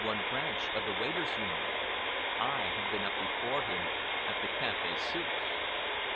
1 Branch of the Waiters' Union. I have been up before him at the Café Suisse!"